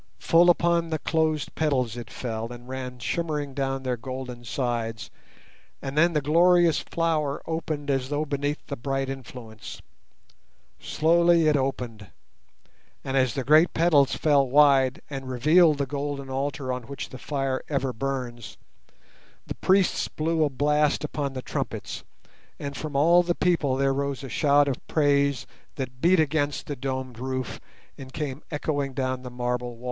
Full upon the closed petals it fell and ran shimmering down their golden sides, and then the glorious flower opened as though beneath the bright influence. Slowly it opened, and as the great petals fell wide and revealed the golden altar on which the fire ever burns, the priests blew a blast upon the trumpets, and from all the people there rose a shout of praise that beat against the domed roof and came echoing down the marble walls.